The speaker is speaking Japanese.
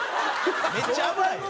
めっちゃ危ない！